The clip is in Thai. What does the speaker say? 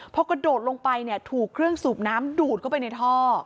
พอกระโดดลงไปเนี่ยถูกเครื่องสูบน้ำดูดเข้าไปในท่อ